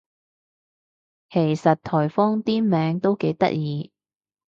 其實颱風啲名都幾得意